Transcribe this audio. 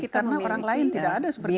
karena orang lain tidak ada seperti kita